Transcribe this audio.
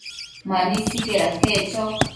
Mani sicaid aquec cho